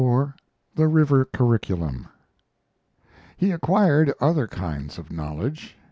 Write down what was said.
XXIV. THE RIVER CURRICULUM He acquired other kinds of knowledge.